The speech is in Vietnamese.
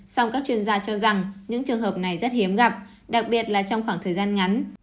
song các chuyên gia cho rằng những trường hợp này rất hiếm gặp đặc biệt là trong khoảng thời gian ngắn